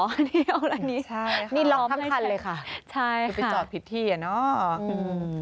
นี่เอาละนี้ใช่ค่ะนี่ล้อมทั้งคันเลยค่ะใช่ค่ะจะไปจอดผิดที่อ่ะเนอะอืม